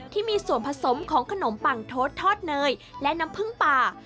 ที่มีส่วนผสมของขนมปังโทดทอดเนยและน้ำผึ้งป่า